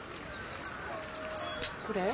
これ？